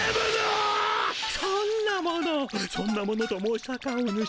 そんなものそんなものと申したかおぬし。